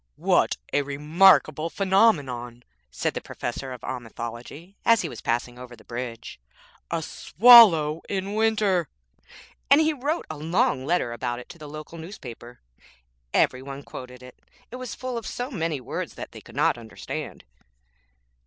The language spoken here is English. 'What a remarkable phenomenon,' said the Professor of Omithology as he was passing over the bridge. 'A swallow in winter!' And he wrote a long letter about it to the local newspaper. Every one quoted it, it was full of so many words that they could not understand.